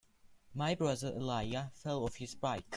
My brother Elijah fell off his bike.